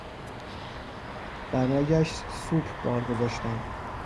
برایش سوپ بار گذاشتم